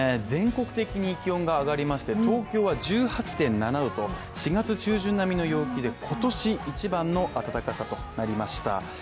全国的に気温が上がりまして東京は１８．７度と４月中旬並みの陽気で、今年一番の暖かさとなりました。